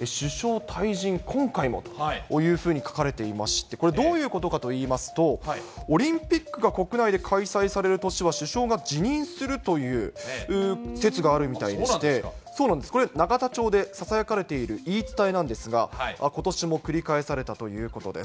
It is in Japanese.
首相退陣、今回もというふうに書かれていまして、これ、どういうことかといいますと、オリンピックが国内で開催される年は、首相が辞任するという説があるみたいでして、これ、永田町でささやかれている言い伝えなんですが、ことしも繰り返されたということです。